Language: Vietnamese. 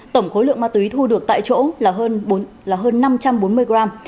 tổng khối lượng ma túy thu được tại chỗ là hơn năm trăm bốn mươi gram